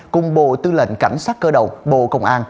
cùng bộ tư lệnh cảnh sát cơ động bộ công an